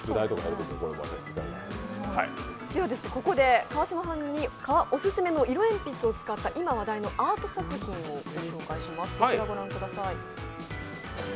では、ここで川島さんにオススメの色鉛筆を使った今話題のアート作品をご紹介します。